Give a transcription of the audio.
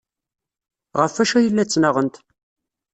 Ɣef wacu ay la ttnaɣent?